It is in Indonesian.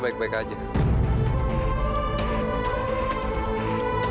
dan itu adalah perintah kita